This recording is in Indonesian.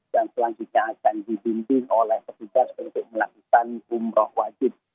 dan selanjutnya akan dibimbing oleh ketiga untuk melakukan umrah wajib